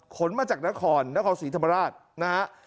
ขนมาจากนครนครศรีธรรมราชนะฮะ